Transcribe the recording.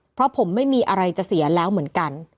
เพราะผมไม่มีอะไรจะเสียแล้วเหมือนกัน